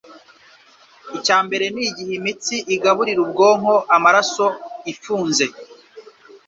icyambere n' igihe imitsi igaburira ubwonko amaraso ifunze.